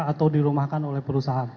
atau dirumahkan oleh perusahaan